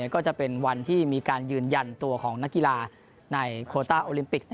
ก็จะเป็นวันที่มีการยืนยันตัวของนักกีฬาในโคต้าโอลิมปิก